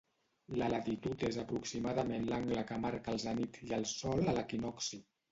La latitud és aproximadament l'angle que marca el zenit i el sol a l'equinocci.